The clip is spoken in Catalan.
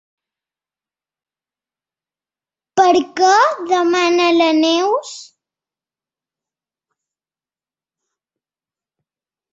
Per què? —demana la Neus.